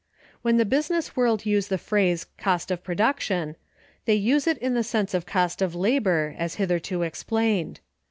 When the business world use the phrase cost of production, they use it in the sense of cost of labor, as hitherto explained.